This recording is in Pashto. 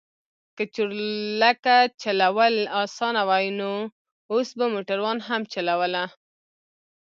که چورلکه چلول اسانه وای نو اوس به موټروان هم چلوله.